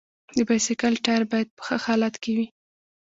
د بایسکل ټایر باید په ښه حالت کې وي.